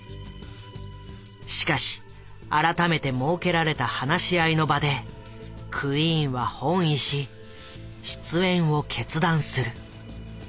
しかし改めて設けられた話し合いの場でクイーンは翻意し出演を決断する。